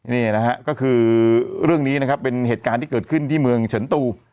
นี่นะฮะก็คือเรื่องนี้นะครับเป็นเหตุการณ์ที่เกิดขึ้นที่เมืองเฉินตู